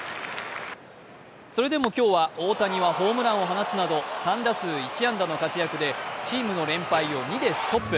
それでも今日は大谷はホームランを放つなど３打数１安打の活躍でチームの連敗を２でストップ。